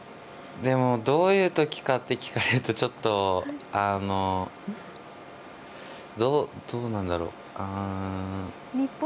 でも、どういうときかって聞かれると、ちょっとどうなんだろう。